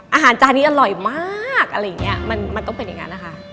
อาหารจานนี้อร่อยมากมันต้องเป็นอย่างนั้นนะคะ